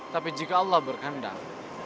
tapi jika allah berkandang